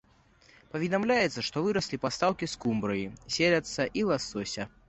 Паведамляецца, што выраслі пастаўкі скумбрыі, селядца і ласося.